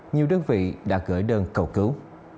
nhiều đơn vị đã gửi đơn cầu cứu